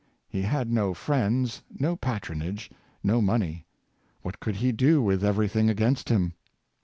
He had no friends, no patronage, no money! What could he do with everything against him.